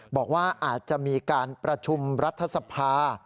บอกว่าอาจจะมีการประชุมรัฐสภา